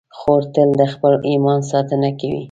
خور تل د خپل ایمان ساتنه کوي.